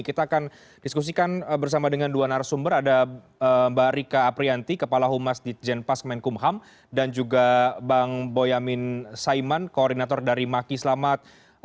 kita akan diskusikan bersama dengan dua narasumber ada mbak rika aprianti kepala humas di jenpas kemenkumham dan juga bang boyamin saiman koordinator dari maki selamat